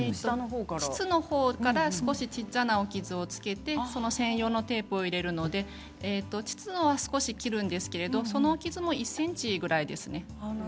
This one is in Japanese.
膣のほうから小さなお傷をつけて専用のテープを入れるので膣は少し切るんですけどそのお傷も１ｃｍぐらいですね。